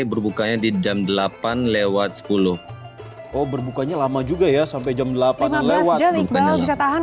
berbukanya di jam delapan lewat sepuluh oh berbukanya lama juga ya sampai jam delapan lewat lima belas jam bisa tahan